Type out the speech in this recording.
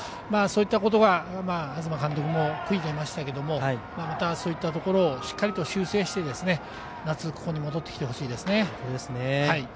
そういったことを東監督も悔いていましたけどまたそういったところをしっかりと修正して夏、戻ってきてほしいですね。